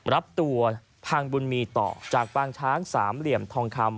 รับตัวพังบุญมีต่อจากปางช้างสามเหลี่ยมทองคำ